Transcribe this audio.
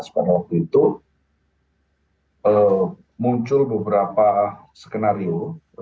pada waktu itu muncul beberapa skenario